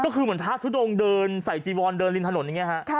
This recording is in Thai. ก็คือเหมือนพระทุดงเดินใส่จีวอนเดินริมถนนอย่างนี้ฮะ